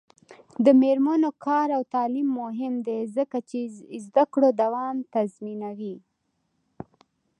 د میرمنو کار او تعلیم مهم دی ځکه چې زدکړو دوام تضمینوي.